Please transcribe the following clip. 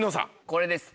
これです